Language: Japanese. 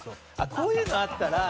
こういうのあったら。